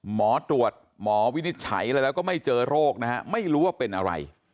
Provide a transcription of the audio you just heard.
หมอตรวจหมอวินิจฉัยอะไรแล้วก็ไม่เจอโรคนะฮะไม่รู้ว่าเป็นอะไร